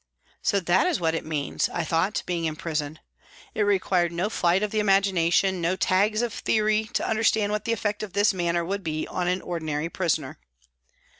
" So that is what it means," I thought, " being in prison." It required no flight of the imagination, no tags of theory, to understand what the effect of this manner would be on an ordinary prisoner.